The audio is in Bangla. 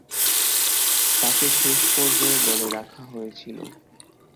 তাকে শেষ পর্যায়ে দলে রাখা হয়েছিল।